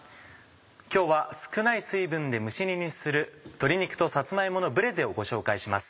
今日は少ない水分で蒸し煮にする「鶏肉とさつま芋のブレゼ」をご紹介します。